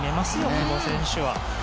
久保選手は。